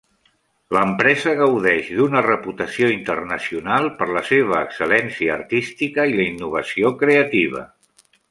L'empresa gaudeix d'una reputació internacional per la seva excel·lència artística i la innovació creativa.